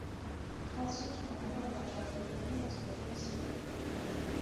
它经常用来找出一个面积的中心。